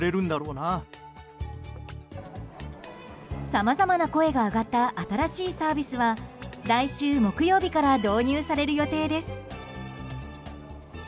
さまざまな声が上がった新しいサービスは来週木曜日から導入される予定です。